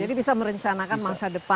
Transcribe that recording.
jadi bisa merencanakan masa depan